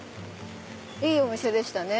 いいお店でしたね。